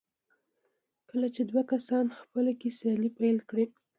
کله چې دوه کسان خپله کې سیالي پيل کړي.